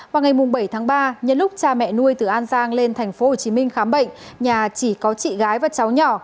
vào ngày bảy tháng ba nhân lúc cha mẹ nuôi từ an giang lên tp hcm khám bệnh nhà chỉ có chị gái và cháu nhỏ